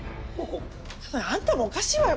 アンタもおかしいわよ